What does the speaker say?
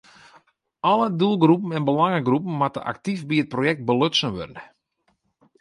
Alle doelgroepen en belangegroepen moatte aktyf by it projekt belutsen wurde.